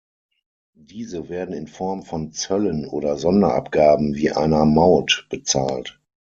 Diese werden in Form von Zöllen oder Sonderabgaben, wie einer Maut, bezahlt.